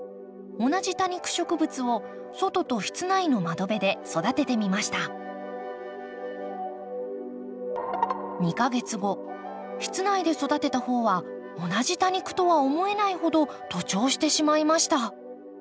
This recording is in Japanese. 同じ多肉植物を外と室内の窓辺で育ててみました２か月後室内で育てた方は同じ多肉とは思えないほど徒長してしまいました